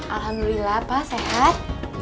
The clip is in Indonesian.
alhamdulillah pak sehat